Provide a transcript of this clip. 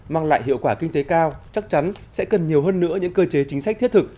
mang lại hiệu quả kinh tế cao chắc chắn sẽ cần nhiều hơn nữa những cơ chế chính sách thiết thực